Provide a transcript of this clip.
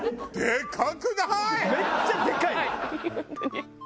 めっちゃでかいよ！